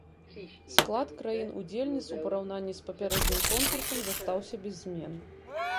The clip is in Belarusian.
Склад краін-удзельніц у параўнанні з папярэднім конкурсам застаўся без змен.